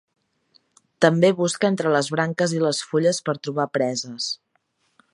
També busca entre les branques i les fulles per trobar preses.